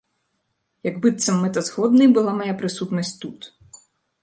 Як быццам мэтазгоднай была мая прысутнасць тут!